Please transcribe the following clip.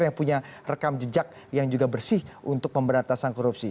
yang punya rekam jejak yang juga bersih untuk pemberantasan korupsi